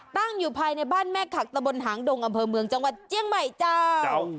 ตั้งอยู่ภายในบ้านแม่ขักตะบนหางดงอำเภอเมืองจังหวัดเจียงใหม่เจ้า